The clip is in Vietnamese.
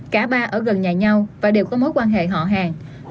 cả ba ở gần nhà nhau và đều có mối quan hệ họ hàng